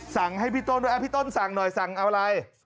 สั่งให้พี่ต้นด้วยพี่ต้นสั่งหน่อยสั่งเอาอะไร